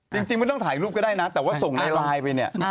จริงไม่ต้องถ่ายรูปก็ได้นะแต่ว่าส่งในไลน์ไปเนี่ย